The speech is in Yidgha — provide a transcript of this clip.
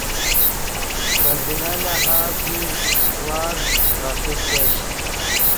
پے زلہ لہاز دیر وازد غیݰے چش